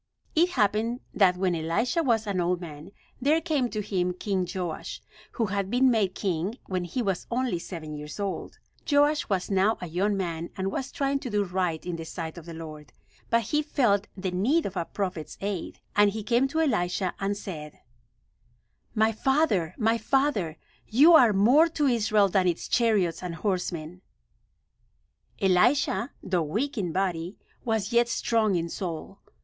It happened that when Elisha was an old man there can to him King Joash, who had been made king when he was only seven years old. Joash was now a young man and was trying to do right in the sight of the Lord. But he felt the need of the prophet's aid, and he came to Elisha and said: "My father, my father, you are more to Israel than its chariots and horsemen." [Illustration: "This is the arrow of victory"] Elisha, though weak in body, was yet strong in soul.